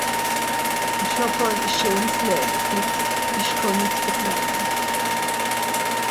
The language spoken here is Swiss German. Isch ha halt e scheens Lawe ghet, isch kann net beklage.